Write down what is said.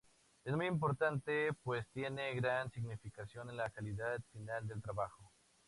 Es muy importante pues tiene gran significación en la calidad final del trabajo.